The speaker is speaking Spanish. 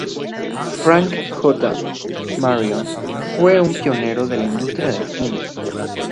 Frank J. Marion fue un pionero de la industria del cine.